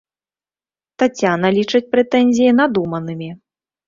Таццяна лічыць прэтэнзіі надуманымі.